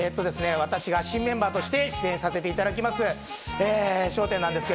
私が新メンバーとして出演させていただきます